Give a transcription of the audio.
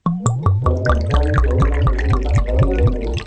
ishobora kugabanuka bitewe no gusubiza imigabane beneyo